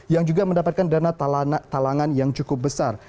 yang juga mendapatkan dana talangan yang cukup besar